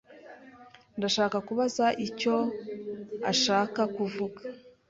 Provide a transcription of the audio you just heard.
Ndashaka kubaza icyo ashaka kuvuga.